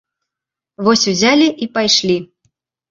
Вось узялі і пайшлі.